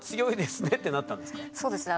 そうですね。